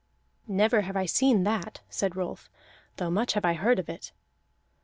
"Never have I seen that," said Rolf, "though much have I heard of it."